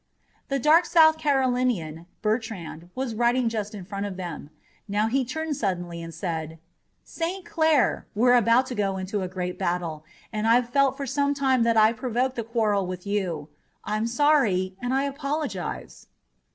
The dark South Carolinian, Bertrand, was riding just in front of them. Now he turned suddenly and said: "St. Clair, we're about to go into a great battle, and I've felt for some time that I provoked the quarrel with you. I'm sorry and I apologize."